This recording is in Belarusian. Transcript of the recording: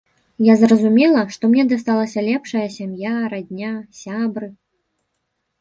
Я зразумела, што мне дасталася лепшая сям'я, радня, сябры.